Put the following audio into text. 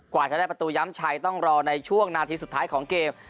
กว่าจะได้ประตูย้ำชัยต้องรอในช่วงนาทีสุดท้ายของเกม